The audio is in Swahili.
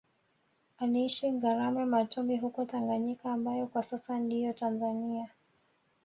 Aliishi Ngarambe Matumbi huko Tanganyika ambayo kwa sasa ndiyo Tanzania